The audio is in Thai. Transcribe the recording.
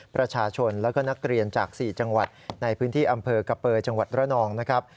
ประชาชนและก็นักเรียนจาก๔จังหวัดในพื้นที่อำเภอกะเปยจังหวัดระนองนะครับ